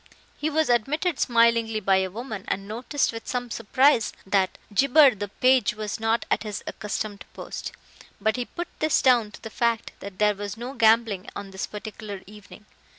He was admitted smilingly by a woman, and noticed with some surprise that Gibber the page was not at his accustomed post. But he put this down to the fact that there was no gambling on this particular evening.